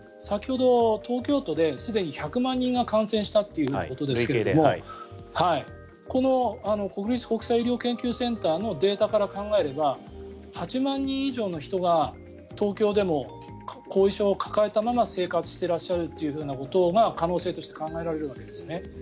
先ほど、東京都ですでに１００万人が感染したということですけどもこの国立国際医療研究センターのデータから考えれば８万人以上の人が東京でも後遺症を抱えたまま生活してらっしゃることが可能性として考えられるわけですね。